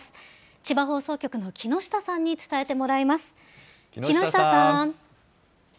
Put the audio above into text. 千葉放送局の木下さんに伝えてもらいます。